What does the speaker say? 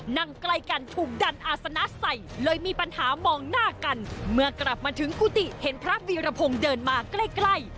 นั่งใกล้กันถูกดันอาศนะใส่เลยมีปัญหามองหน้ากันเมื่อกลับมาถึงกุฏิเห็นพระวีรพงศ์เดินมาใกล้ใกล้